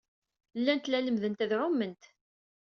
Llant la lemmdent ad ɛument.